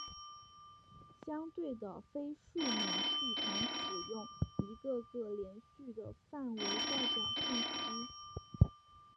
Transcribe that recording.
相对的非数码系统使用一个个连续的范围代表信息。